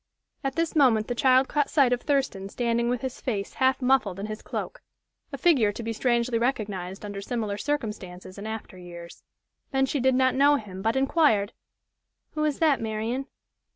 At this moment the child caught sight of Thurston standing with his face half muffled in his cloak. A figure to be strangely recognized under similar circumstances in after years. Then she did not know him, but inquired: "Who is that, Marian?"